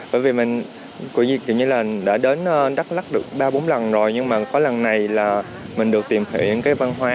bởi vì mình đã đến đắk lắk được ba bốn lần rồi nhưng mà có lần này là mình được tìm hiểu những cái văn hóa